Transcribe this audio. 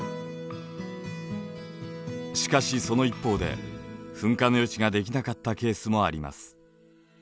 しかしその一方で噴火の予知ができなかったケースもあります。